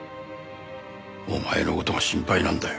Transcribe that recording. お前の事が心配なんだよ。